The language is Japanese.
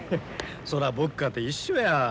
そら僕かて一緒や。